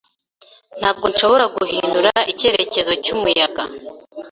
Ntabwo nshobora guhindura icyerekezo cyumuyaga,